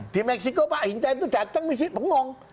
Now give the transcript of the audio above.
di meksiko pak hinta itu datang masih bengong